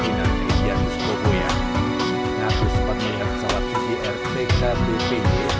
namun kita tidak bisa jelaskan detailnya